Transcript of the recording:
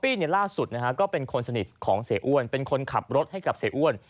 ล่าสุดนะฮะก็เป็นคนสนิทของเสียอ้วนเป็นคนขับรถให้กับเสียอ้วน